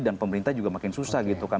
dan pemerintah juga makin susah gitu kan